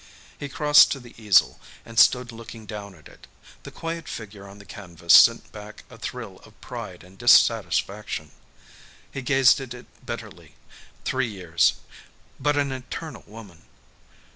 He crossed to the easel, and stood looking down at it. The quiet figure on the canvas sent back a thrill of pride and dissatisfaction. He gazed at it bitterly. Three years but an eternal woman.